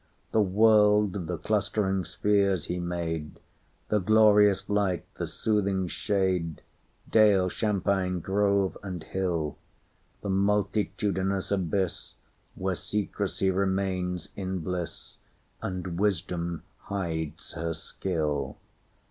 The world—the clustering spheres He made, The glorious light, the soothing shade, Dale, champaign, grove, and hill; The multitudinous abyss, Where Secrecy remains in bliss, And Wisdom hides her skill.